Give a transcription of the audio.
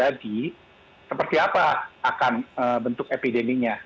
kalau mudik ini terjadi seperti apa akan bentuk epideminya